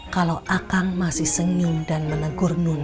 kalau akan masih sengih dan menegur nuni